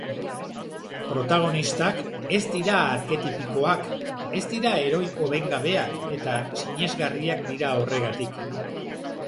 Protagonistak ez dira arketipikoak, ez dira heroi hobengabeak eta sinesgarriak dira horregatik.